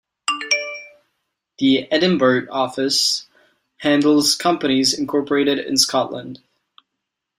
The Edinburgh office handles companies incorporated in Scotland.